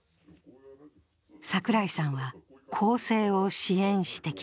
櫻井さんは更生を支援してきた。